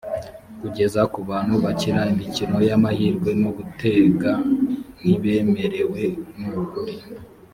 kugeza ku bantu bakina imikino y ‘amahirwe nogutega ntibemerewe nukuri.